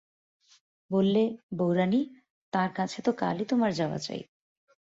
বললে, বউরানী, তাঁর কাছে তো কালই তোমার যাওয়া চাই।